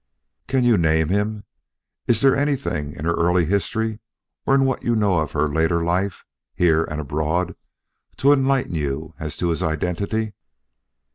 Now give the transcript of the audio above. Can you name him? Is there anything in her early history or in what you know of her later life, here and abroad, to enlighten you as to his identity?"